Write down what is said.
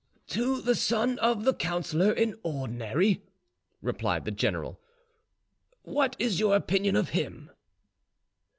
"To the son of the Councillor in Ordinary," replied the general. "What is your opinion of him?"